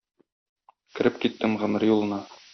Кереп киттем гомер юлына...